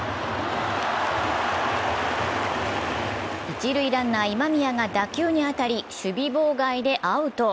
一塁ランナー・今宮が打球に当たり守備妨害でアウト。